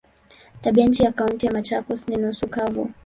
Tabianchi ya Kaunti ya Machakos ni nusu kavu.